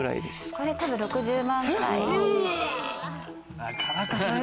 これ多分６０万くらい。